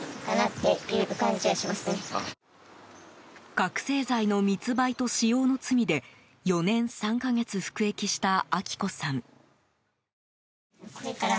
覚醒剤の密売と使用の罪で４年３か月服役した明子さん。